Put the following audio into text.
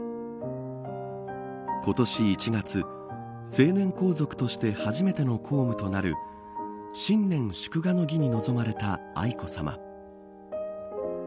今年１月、成年皇族として初めての公務となる新年祝賀の儀に臨まれた愛子さま。